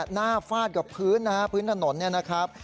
หน้าฟาดกับพื้นนะครับพื้นถนนเนี่ยนะครับ